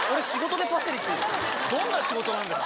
どんな仕事なんですか。